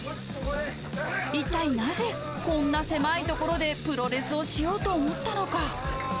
一体なぜ、こんな狭い所でプロレスをしようと思ったのか。